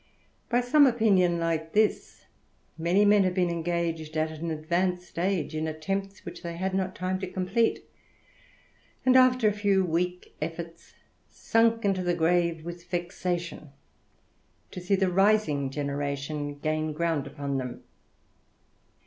By some opinion like this, many men have been engaged, at an advanced age, in attempts which they had not time to complete, and after a few weak efforts, sunk into the grave with vexation to see the rising generation gain ground upon them.